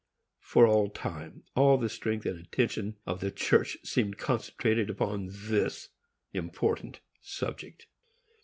For the time, all the strength and attention of the church seemed concentrated upon this important subject.